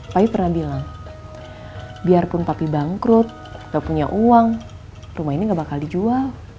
pay pernah bilang biarpun papi bangkrut kita punya uang rumah ini gak bakal dijual